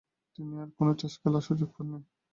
তিনি আর কোন টেস্ট খেলার সুযোগ পাননি।